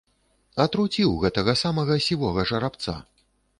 Атруціў гэтага самага сівога жарабца.